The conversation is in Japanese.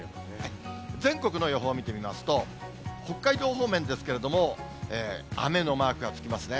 全国の予報見てみますと、北海道方面ですけれども、雨のマークがつきますね。